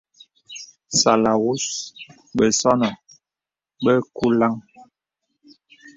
Sàlàwūs bəsɔ̄nɔ̄ bə kùlāŋ.